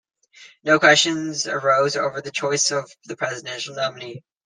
No questions arose over the choice of the presidential nominee.